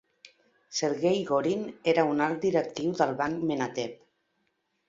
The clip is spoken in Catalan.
Sergei Gorin era un alt directiu del banc Menatep.